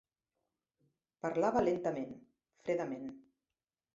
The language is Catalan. Parlava lentament, fredament.